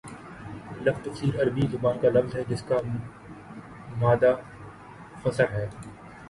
لفظ تفسیر عربی زبان کا لفظ ہے جس کا مادہ فسر ہے